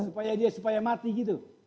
supaya dia mati gitu